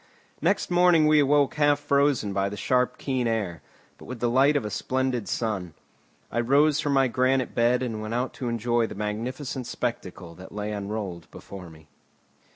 Next morning we awoke half frozen by the sharp keen air, but with the light of a splendid sun. I rose from my granite bed and went out to enjoy the magnificent spectacle that lay unrolled before me.